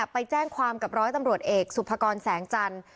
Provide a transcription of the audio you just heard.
ไปแจ้งความกับร้อยตำรวจเอกสุภกรแสงจันทร์